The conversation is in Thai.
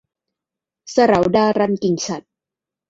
เสราดารัล - กิ่งฉัตร